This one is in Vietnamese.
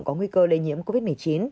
có nguy cơ lây nhiễm covid một mươi chín